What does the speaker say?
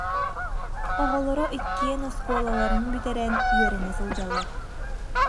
Оҕолоро иккиэн оскуолаларын бүтэрэн, үөрэнэ сылдьаллар